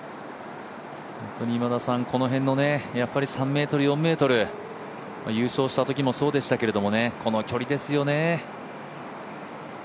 この辺の３ｍ、４ｍ、優勝したときもそうでしたけれども、この距離ですよね。